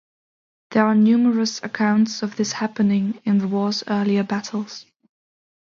There are numerous accounts of this happening in the war's earlier battles.